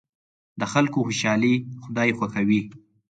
د خلکو خوشحالي خدای خوښوي.